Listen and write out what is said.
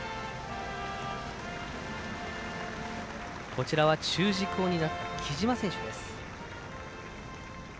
こちらは中軸を担った木嶋選手です。